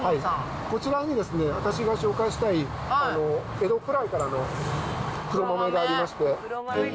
こちらに、私が紹介したい江戸古来からの黒豆がありまして。